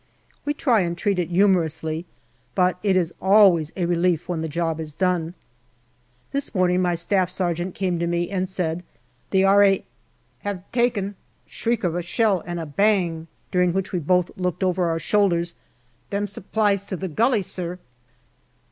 We try and treat it humorously, but it is always a relief when the job is done. This morning my staff sergeant came to me and said, " The R.A. have taken " (shriek of a shell and a bang, during which we both looked over our shoulders) " them supplies to the gully, sir."